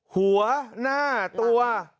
หัวหน้าตัว